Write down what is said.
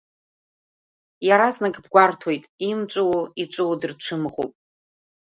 Иаразнак бгәарҭоит, имҵәуо иҵәуо дырцәымӷуп…